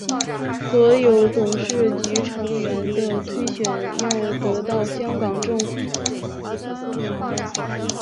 所有董事局成员的推选要得到香港政府的批准及许可。